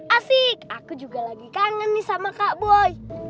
asik aku juga lagi kangen nih sama kaboy